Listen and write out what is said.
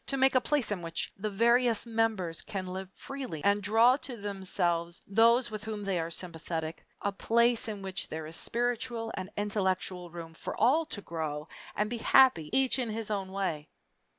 To make a place in which the various members can live freely and draw to themselves those with whom they are sympathetic a place in which there is spiritual and intellectual room for all to grow and be happy each in his own way?